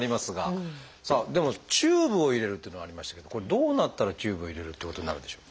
さあでもチューブを入れるっていうのありましたけどこれどうなったらチューブを入れるってことになるんでしょう？